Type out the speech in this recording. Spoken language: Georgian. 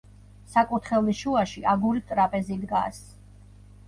საკურთხევლის შუაში აგურით ტრაპეზი დგას.